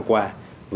những năm qua